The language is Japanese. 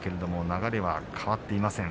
流れは変わっていません。